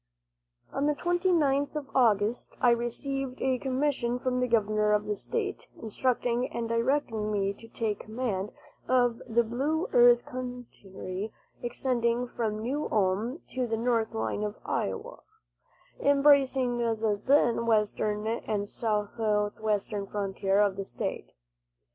On the 29th of August I received a commission from the governor of the state, instructing and directing me to take command of the Blue Earth country, extending from New Ulm to the north line of Iowa, embracing the then western and southwestern frontier of the state.